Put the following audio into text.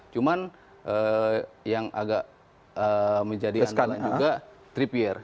cuman yang agak menjadi antara juga trippier